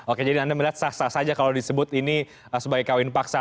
oke jadi anda melihat sah sah saja kalau disebut ini sebagai kawin paksa